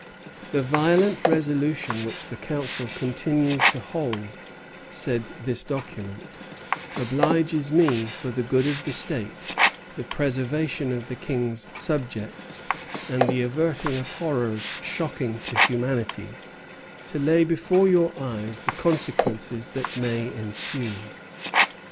"The violent resolution which the council continues to hold," said this document, "obliges me, for the good of the state, the preservation of the King's subjects, and the averting of horrors shocking to humanity, to lay before your eyes the consequences that may ensue.